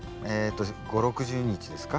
５０６０日ですか。